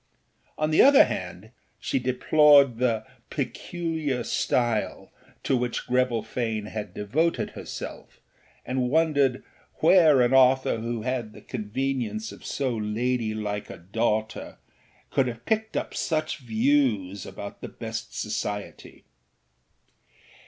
On the other hand she deplored the âpeculiar styleâ to which Greville Fane had devoted herself, and wondered where an author who had the convenience of so lady like a daughter could have picked up such views about the best society.